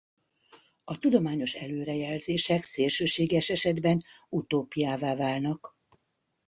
A tudományos előrejelzések szélsőséges esetben utópiává válnak.